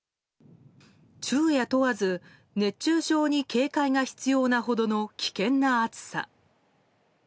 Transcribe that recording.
昼夜問わず熱中症に警戒が必要なほどの危険な暑さ。